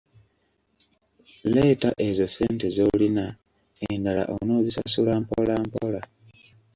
Leeta ezo ssente zolina, endala on'ozisasula mpolampola.